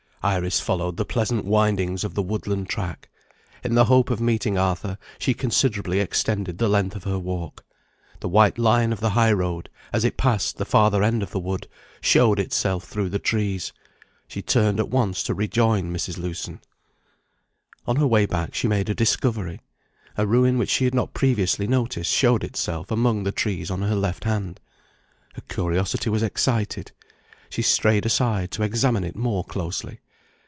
Iris followed the pleasant windings of the woodland track. In the hope of meeting Arthur she considerably extended the length of her walk. The white line of the high road, as it passed the farther end of the wood, showed itself through the trees. She turned at once to rejoin Mrs. Lewson. On her way back she made a discovery. A ruin which she had not previously noticed showed itself among the trees on her left hand. Her curiosity was excited; she strayed aside to examine it more closely.